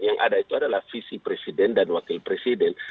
yang ada itu adalah visi presiden dan wakil presiden